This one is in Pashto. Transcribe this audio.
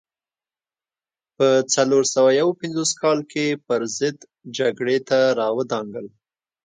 په څلور سوه یو پنځوس کال کې پرضد جګړې ته را ودانګل.